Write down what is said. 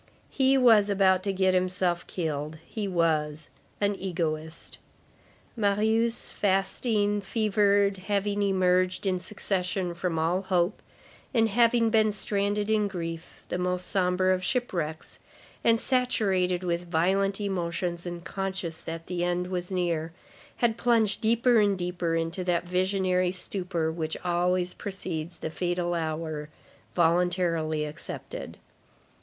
He was about to get himself killed. He was "an egoist." Marius, fasting, fevered, having emerged in succession from all hope, and having been stranded in grief, the most sombre of shipwrecks, and saturated with violent emotions and conscious that the end was near, had plunged deeper and deeper into that visionary stupor which always precedes the fatal hour voluntarily accepted.